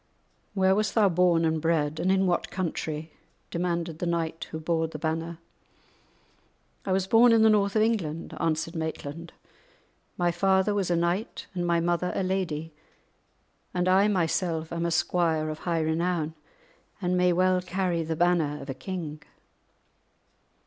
"Where wast thou born and bred, and in what country?" demanded the knight who bore the banner. "I was born in the north of England," answered Maitland; "my father was a knight and my mother a lady, and I myself am a squire of high renown, and may well carry the banner of a king."